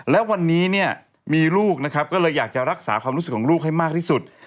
และวันนี้เนี่ยมีลูกนะครับก็เลยอยากจะรักษาความรู้สึกของลูกให้มากที่สุด